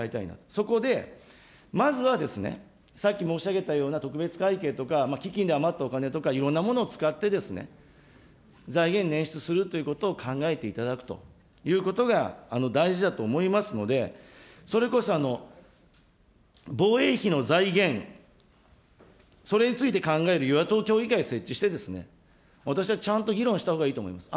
そこで、まずはさっき申し上げたような特別会計とか、基金で余ったお金とか、いろんなものを使って、財源捻出するということを考えていただくということが、大事だと思いますので、それこそ、防衛費の財源、それについて考える与野党協議会を設置して、私はちゃんと議論したほうがいいと思います。